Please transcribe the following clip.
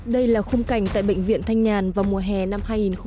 đây là khung cảnh tại bệnh viện thanh nhàn vào mùa hè năm hai nghìn một mươi chín